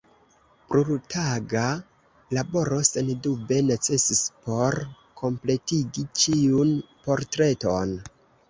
Plurtaga laboro sendube necesis por kompletigi ĉiun portreton.